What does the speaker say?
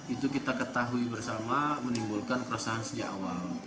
itu kita ketahui bersama menimbulkan keresahan sejak awal